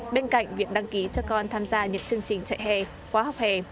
bên cạnh việc đăng ký cho con tham gia những chương trình chạy hè khóa học hè